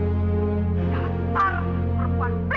jangan pernah puan puan